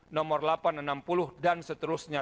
nomor delapan ratus enam puluh dan seterusnya